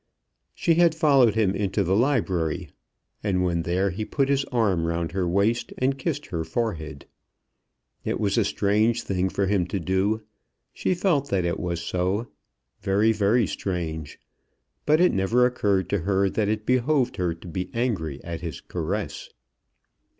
She had followed him into the library, and when there he put his arm round her waist and kissed her forehead. It was a strange thing for him to do. She felt that it was so very, very strange; but it never occurred to her that it behoved her to be angry at his caress.